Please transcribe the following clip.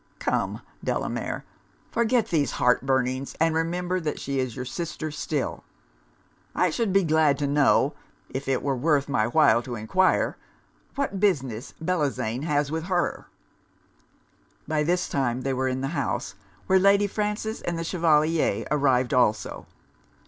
'Come, Delamere, forget these heartburnings, and remember that she is your sister still.' 'I should be glad to know (if it were worth my while to enquire) what business Bellozane has with her?' By this time they were in the house, where Lady Frances and the Chevalier arrived also.